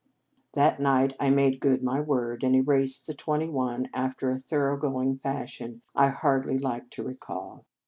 That night I made good my word, and erased the twenty one after a thorough going fashion I hardly like to recall.